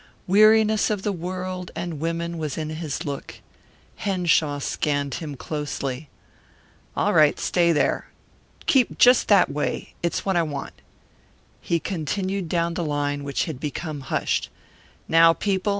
Weariness of the world and women was in his look. Henshaw scanned him closely. "All right, stay there keep just that way it's what I want." He continued down the line, which had become hushed. "Now, people.